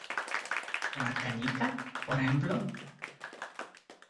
¿ una canica, por ejemplo?